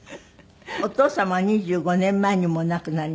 お父様は２５年前にもうお亡くなりになった？